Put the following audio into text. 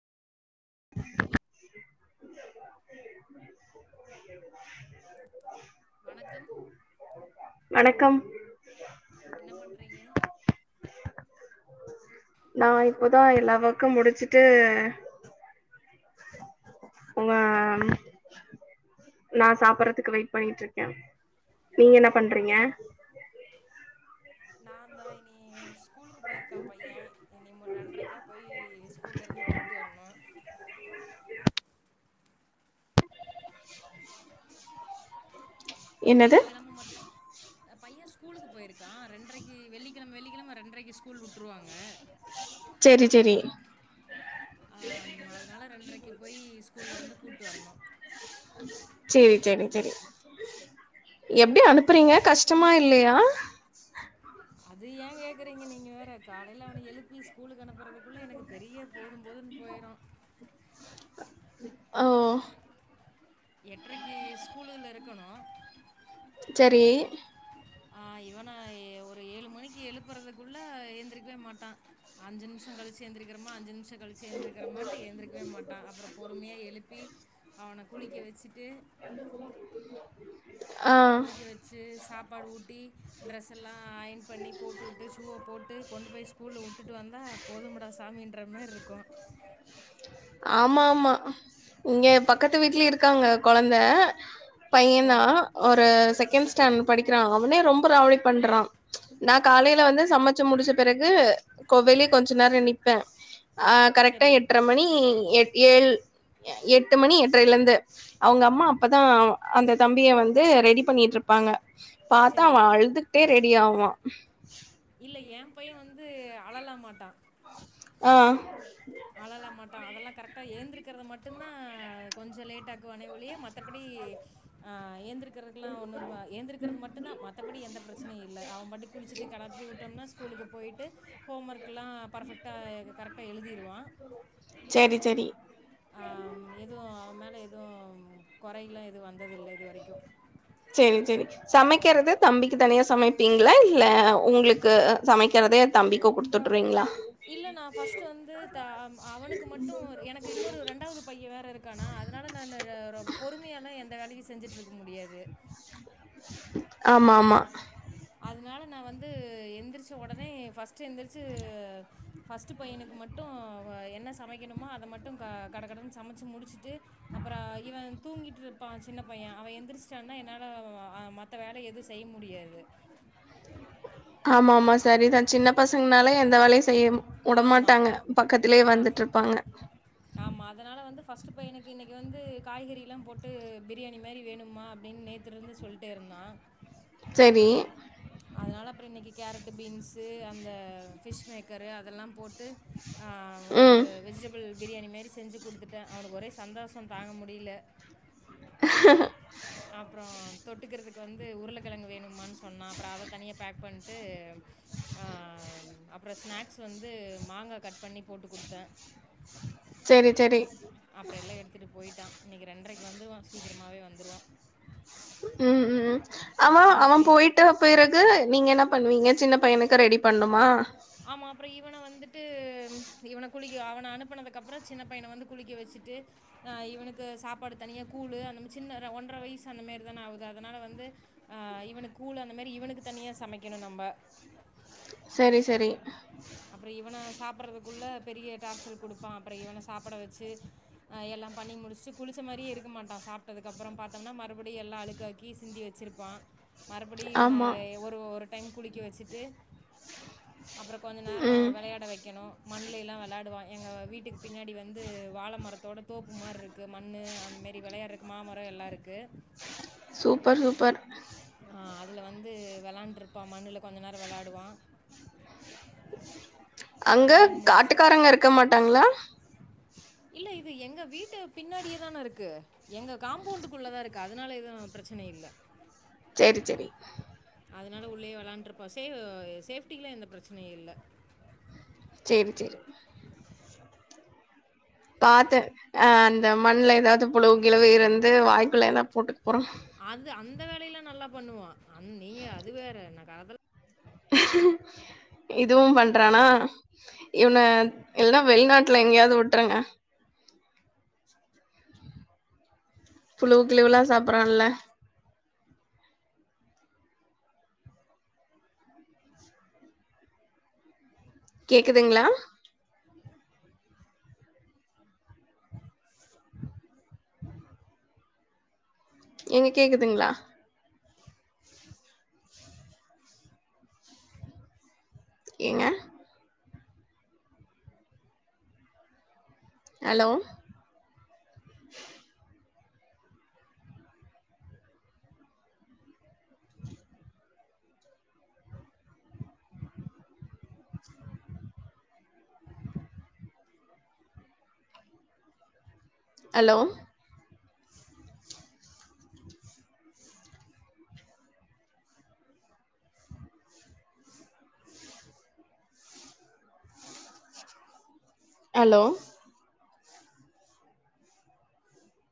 [inaudible] வணக்கம் வணக்கம் என்ன பண்றீங்க நான் இப்பதான் எல்லா வக்கும் முடிச்சுட்டு உங்க நான் சாப்பறதுக்கு வெயிட் பண்ணிட்டு இருக்கேன் நீங்க என்ன பண்றீங்க நான் தான் இய் ஸ்கூலுக்கு போயிருக்கான் பையன் நீம ரெண்டரைக்கா போய் ஸ்கூல்ல இருந்து கூப்பிட்டு வரணும் என்னது வெள்ளிக்கிழமை மட்டும் பையன் ஸ்கூலுக்கு போயிருக்கான் ரெண்டரைக்கு வெள்ளிக்கிழம வெள்ளிக்கிழம ரெண்டரைக்கு ஸ்கூல் விட்டு்ருவாங்க செரி செரி ஆஹ் அதனால ரெண்டரைக்கு போய் ஸ்கூல்ல இருந்து கூிட்டு வரணும் செரி எப்படி அனுப்புறீங்க கஷ்டமா இல்லையா அது ஏன் கேக்குறீங்க நீங்க வேற காலையில அவன எழுப்பி ஸ்கூலக்கு அனுப்புறதுக் குல்ல எனக்கு பெரிய போதும் போதுன்னு போயிரு ஓ எட்ரைக்கி ஸ்கூலுல இருக்கணு செரி ஹா இவன ஒரு ஏலு மணிக்கு எழுப்புறதுக்குள்ள எழுந்திரிக்கவே மாட்டா அஞ்சு நிமிஷ கழிச்சு எந்திரிக்கிறமா அஞ்சு நிமிஷ கழிச்சி ஏந்திருக்கிறமான்டு எந்திரக்கவே மாட்டா அப்புற பொறுமையா எலுப்பி அவனக் குளிக்க வெச்சிட்டு ஆ குளிக்க வச்சி சாப் பாடு ஊட் டி ட்ரெஸ் எல்லா அயன் பண்ணி போட்டுவுட்டு ஷூவ போட்டு கொண்டு போய் ஸ்கூல்ல வுட்டுட்டு வந்தா போதுமடா சாமி ன்றமேற்ருக்கோ ஆமா ஆமா இங்க பக்கத்து வீட்லய இருக்காங்க கொழந்த ஓ! ஆமா ஆமா சான் படிக்கிறா அவனே ரொம்ப ராவடி பண்றா நா காலையில வந்து சமைச்சி முடிச்ச பிறகு கோ வெளிய கொஞ்ச நேர நிப்பே ஆ கரெக்டா சரி, எட்ர மணி எட் ஏழ் எட்டு மணி எட்டையில இருந்து எட்டு மணி எட்ரைலயிருந்து அவுங்க அம்மா அப்பதா அந்த தம்பிய வந்து ரெடி பண்ணிட்ற்ருப்பாங்க பாத்தா சரி. அவ அழுதுக்ட்டே ரெ டியாவா இல்ல ஏ பைய வந் து அளலாமாட்டா ஆ அழலா மாட்டா அதெல்லா கரெக்ட் டா ஏந்திக்றது மட்டுந்தா கொஞ்சோ லேட்டாக்குவானே ஒலிய மத்தபடி ஆ ஏந்திருக் கிறக்கலா ஒன்னு பா ஏந்திக்கிறது மட்டுந்தா மத்தபடி எந்த பிரச்சனையு இல்ல அவ பாட்டுக்கு குளிச்சுட்டு கெளப்பி வுட்டோம்னா ஸ்கூலு போயிட்டு ஹோம் ஒர்க் எல்லா பர்ஃபெக்டா கரெக்டா எலுதிடுவா செரி செரி ஆம் எதுவு மேல எதுவு குறைலா எதுவு வந்ததில்லை இது வரைக்கு செரி செரி சமைக்கிறது தம்பிக்கு தனியா சமைப்பிங்லா இல்ல உங்ளுக்கு சமைக்கிறதே தம்பிக்கு குடுத்துவுட்ருவீங்ளா இல்ல நா ஃபர்ஸ்ட் வந்து தா அவனுக்கு மட்டு எனக்கு இன்னொரு ரெண்டாவது பைய வேற இருக்கானா அதனால நானு ழ ரோ பொறுமையால எந் த வேலயு செஞ்சுட்டு இருக்க முடியாது ஆமா ஆமா அதனால நா வந்து எந்திரிச்ச உடனே ஃபர்ஸ்ட் எந்திரிச்சு ஃபர்ஸ்ட் பையனுக்கு மட்டு என்ன சமைக்கனுமோ அத மட்டு கட கட சமச்சி முடிச்சிட்டு அப்பற இவ தூங்கிட்டுற்ருப்பா சின்ன பைய அவ ஏந்திருசிட்டானா என்னால மத்த வேல எது செய்முடியாது ஆமா ஆமா சரிதா சின்ன பசங்கனாலே எந்த வேல செய்யும் ஆமா ஆ இருப்பாங்க அஆமா அதனால வந்து பஸ்ட் பையனுக்கு இன்னைக் இனிக்கி வந்து காய்கறிலாம் போட்டு பிரியாணி மாரி வேணுமா அப்டின்னு நேத்லருந்து சொல்லிட்டே இருந்தான் செரி அதனால அப்புறம் இனக்கு கேரட் பீன்ஷ் அந்த ஃபிஷ் மேக்கரு அதெல்லாம் டு ஹான் ஒரு ம் வெஜிடேபிள் பிரியாணி மெரி செஞ்சு கொடுத்துட்டன் அவனுக்கு ஒரே சந்தோஷம் தாங்க முடில [unintelligible] ஆ அப்புறம் தொட்டுக்கிறதுக்கு வந்து உருளக்கிழங்கு வேணுமான்னு சொன்னா அப்புறம் அத தனியா பேக் பண்ட்டு உஹ் அப்புறம் ஸ்நாக்ஸ் வந்து மாங்கா கட் பண்ணி போட்டு கொடுத்தன் சேரி சேரி அப்புறம் எல்லாம் எடுத்துட்டு போயிட்டான் இனக்கி ரெண்ரைக்கு வந்துருவான் சீக்கிரமாவே வந்துருவான் உம் உம் அவன் அவன் போய்டா பிறகு நீங்க என்ன பண்ணுவீங்க சின்ன பையனுக்கு ரெடி பண்ணுமா அப்புறம இவன வந்துட்டு ஹும் இவன குளிக்க அவன அனுப்பனதுக்குப்புறம் சின்ன பையன வந்து குளிக்க வச்சுட்டு ஆஹ் இவனுக்கு சாப்பாடு தனியா கூழு சின்ன ஒன்றரை வயசு அந்த மெரி தான ஆவுது அதனால வந்து ஆஹ் இவனுக்கு கூழு அந்த மெரி இவனுக்கு தனியா சமைக்கணும் நம்ம சரி சரி அப்புறம் இவன சாப்பறதுக்குள்ள பெரிய டார்சல் கொடுப்பான் அப்புறம் இவன சாப்பட வச்சு எல்லாம் பண்ணி முடிச்சு குளிச்ச மாரியே இருக்க மாட்டான் சாப்ட்டதுக்குக்கப்புறம் பார்த்தோம்னா மறுபடியும் எல்லாம் அழுக்காக்கி சிந்தி வச்சுருப்பான் மறுபடியும் இவன ஆமா ஹா ஒரு ஓரு டைம் குளிக்க வச்சுட்டு அப்புறம் கொஞ்சம் நேரோ ம் விளையட வக்கணும் மண்லெல்லாம் விளையாடுவா எங்க வீட்டுக்கு பின்னாடி வந்து வாழை மரத்தோட தோப்புமார் இருக்கு மண்ணு அன்மேரி விளையாறக்கு மாமரம் எல்லாம் இருக்கு சூப்பர் சூப்பர் ஆஹ் அதுல வந்து விளாண்டுருப்பா மண்ணுல கொஞ்ச நேரம் விளாடுவான் அங்க விளாண்டு காட்டுக்காரங்க இருக்க மா டங்களா இல்ல இது எங்க வீட்டு பின்னாடியேதான இருக்கு எங்க காம்பவுண்டுக்குள்ளதான் இருக்கு அதனால எதும் பிரச்சன இல்ல சேரி சேரி அதனால உள்ளயே வேலான்டுயிருப்பா சே சேஃப்டிகிலாம் எந்த பிரச்சனையும் இல்ல செரி செரி பாத்த அஹ் மண்ணுல ஏதாவது புளு கிலவு இருந்து வாய்குள்ள என போட்டு அது அந் இந்த வேலையிலாம் நல்லா பண்ணுவா அன் நீங்க அது வேற எனக்கு அதல் இதுவும் பண்றானா இவன இல்ல வெளிநாட்டுல எங்கயாவது வுட்ருங்க புழுவு கிழிவுலாம் சாப்றால கேக்குதுங்களா [unintelligible] ஏங்க கேக்குதுங்களா ஏங்க ஹலோ ஹலோ ஹலோ